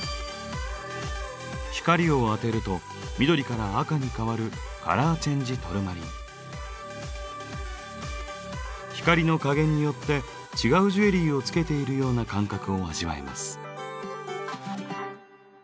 光を当てると緑から赤に変わる光の加減によって違うジュエリーをつけているような感覚を味わえます。